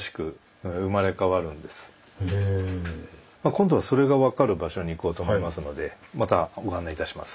今度はそれが分かる場所に行こうと思いますのでまたご案内いたします。